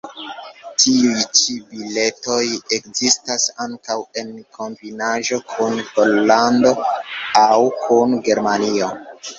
Tiuj ĉi biletoj ekzistas ankaŭ en kombinaĵo kun Pollando aŭ kun Germanio.